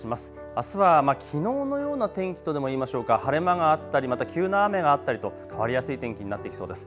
あすはきのうのような天気とでも言いましょうか、晴れ間があったりまた急な雨があったりと変わりやすい天気になってきそうです。